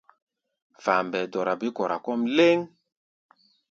Fambɛɛ dɔra bé-kɔra kɔ́ʼm lɛ́ŋ.